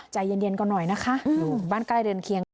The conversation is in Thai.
ใจเย็นก่อนหน่อยนะคะบ้านใกล้เดินเคียง